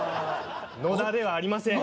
野田ではありません。